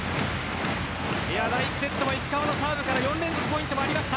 第１セットも石川のサーブから４連続ポイントもありました。